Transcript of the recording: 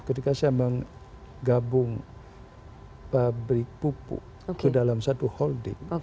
ketika saya menggabung pabrik pupuk ke dalam satu holding